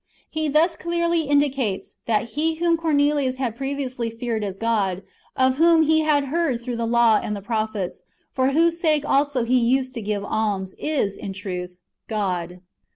^ He thus clearly indicates, that He whom Cornelius had previously feared as God, of whom he had heard through the law and the prophets, for whose sake also he used to give alms, is, in truth, God.